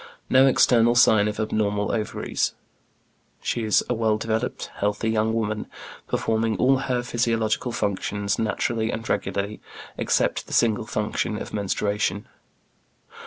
No external sign of abnormal ovaries. She is a well developed, healthy young woman, performing all her physiological functions naturally and regularly, except the single function of menstruation.